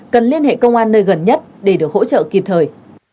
cần liên hệ công an nơi gần nhất để được hỗ trợ kịp thời